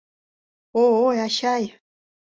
О-ой, ачай!